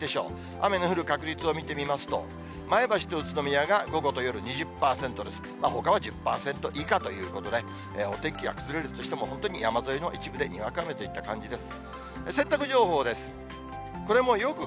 雨の降る確率を見てみますと、前橋と宇都宮が午後と夜、２０％ずつ、ほかは１０％以下ということで、お天気が崩れるとしても、本当に山沿いの一部で、にわか雨という感じです。